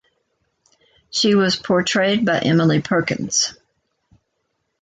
She was portrayed by Emily Perkins.